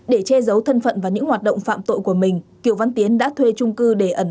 để che giấu thân phận và những hoạt động phạm tội của mình kiều văn tiến đã thuê trung cư để ẩn